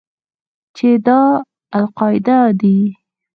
چې دا القاعده دى.